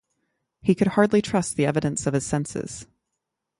He could hardly trust the evidence of his senses.